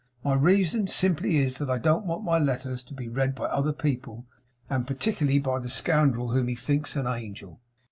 My reason simply is, that I don't want my letters to be read by other people; and particularly by the scoundrel whom he thinks an angel.